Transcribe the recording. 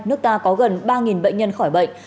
nước ta có gần ba bệnh nhân khỏi bệnh